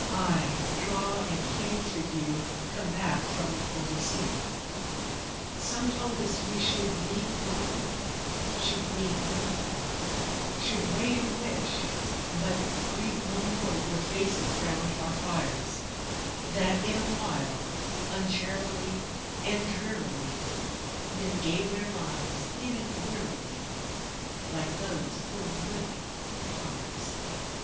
—aye, draw and hew for you, Come back from oversea." III Some told us we should meet no more, Should meet no more; Should wait, and wish, but greet no more Your faces round our fires; That, in a while, uncharily And drearily Men gave their lives—even wearily, Like those whom living tires.